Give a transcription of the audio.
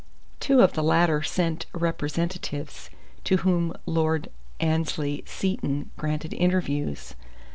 Two of the latter sent representatives, to whom Lord Annesley Seton granted interviews.